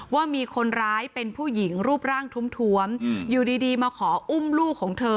ว่ามีคนร้ายเป็นผู้หญิงรูปร่างทวมอยู่ดีมาขออุ้มลูกของเธอ